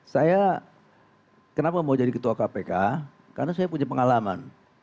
saya kenapa mau jadi ketua kpk karena saya punya pengalaman